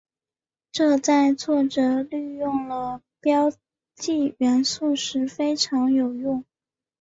这在作者利用了标记元素时非常有用。